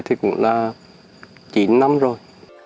thì cũng là chín năm rồi